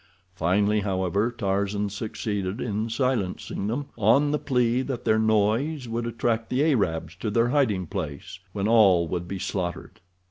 Finally, however, Tarzan succeeded in silencing them, on the plea that their noise would attract the Arabs to their hiding place, when all would be slaughtered.